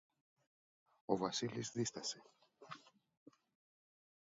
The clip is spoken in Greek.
Ο Βασίλης δίστασε